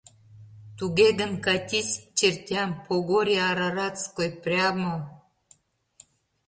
Туге гын, катись к чертям по горе Араратской, прямо...